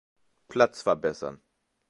Platz verbessern.